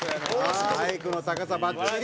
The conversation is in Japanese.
マイクの高さばっちり！